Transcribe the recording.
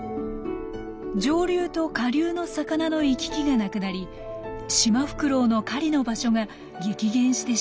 上流と下流の魚の行き来がなくなりシマフクロウの狩りの場所が激減してしまったんです。